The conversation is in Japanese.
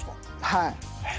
はい。